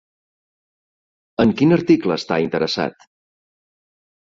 En quin article està interessat?